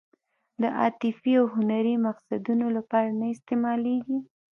د عاطفي او هنري مقصدونو لپاره نه استعمالېږي.